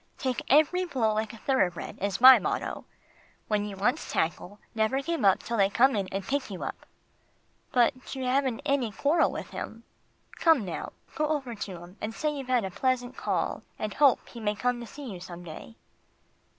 "Take every blow like a thoroughbred is my motto, but when you once tackle, never give up till they come in and pick you up." "But you haven't had any quarrel with him. Come now, go over to him and say you've had a pleasant call, and hope he may come to see you some day."